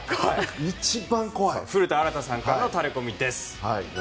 古田新太さんからのタレコミです。